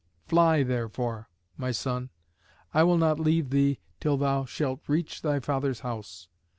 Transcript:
Fly, therefore, my son. I will not leave thee till thou shalt reach thy father's house."